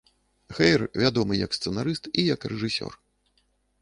Хэйр, вядомы і як сцэнарыст, і як рэжысёр.